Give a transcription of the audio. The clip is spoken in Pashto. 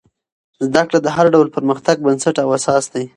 زده کړه د هر ډول پرمختګ بنسټ او اساس دی.